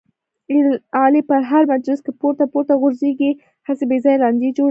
علي په هر مجلس کې پورته پورته غورځېږي، هسې بې ځایه لانجې جوړوي.